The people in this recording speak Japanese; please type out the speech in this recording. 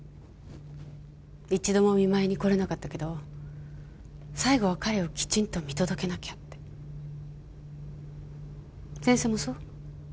一度も見舞いに来れなかったけど最後は彼をキチンと見届けなきゃってセンセもそう？